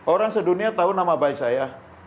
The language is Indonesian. orang sedunia tahu nama baik saya